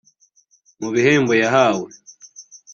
Mu bihembo yahawe